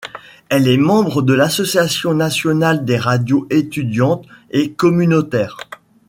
Elle est membre de l'Association nationale des radios étudiantes et communautaires.